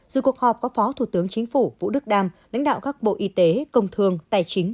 dù cuộc họp có phó thủ tướng chính phủ vũ đức đam lãnh đạo các bộ y tế công thương tài chính